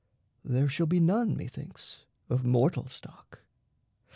There shall be none, methinks, of mortal stock.